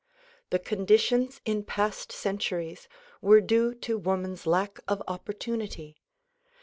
The conditions in past centuries were due to woman's lack of opportunity.